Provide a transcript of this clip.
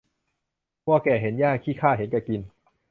วัวเห็นแก่หญ้า ขี้ข้าเห็นแก่กิน